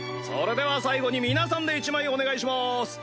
それでは最後に皆さんで１枚お願いします。